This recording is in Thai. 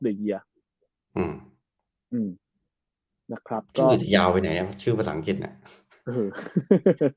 ชื่อผสลยาวไปไหนเนี่ยชื่อภาษาอังกฤษภาษณะ